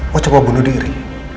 mau coba bunuh diri